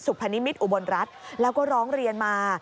พนิมิตรอุบลรัฐแล้วก็ร้องเรียนมา